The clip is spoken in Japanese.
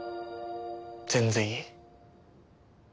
全然いい。